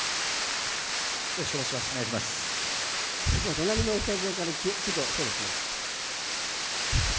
隣のスタジオからそうですね。